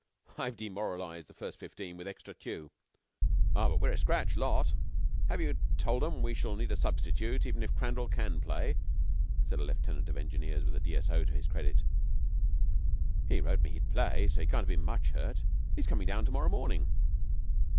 I've demoralized the First Fifteen with extra tu." "Ah, but we're a scratch lot. Have you told 'em we shall need a substitute even if Crandall can play?" said a Lieutenant of Engineers with a D.S.O. to his credit. "He wrote me he'd play, so he can't have been much hurt. He's coming down to morrow morning."